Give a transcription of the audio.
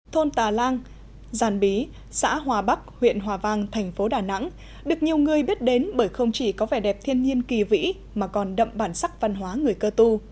thôn tà lang giàn bí xã hòa bắc huyện hòa vang thành phố đà nẵng được nhiều người biết đến bởi không chỉ có vẻ đẹp thiên nhiên kỳ vĩ mà còn đậm bản sắc văn hóa người cơ tu